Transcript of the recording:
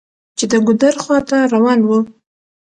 چې د ګودر خواته روان و.